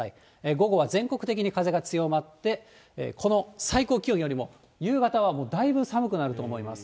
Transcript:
午後は全国的に風が強まって、この最高気温よりも夕方はもうだいぶ寒くなると思います。